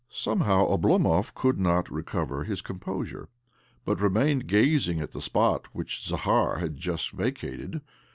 Somehow Oblomov could not recover his composure, but remained gazing at the spot which Zakhar had just vacated.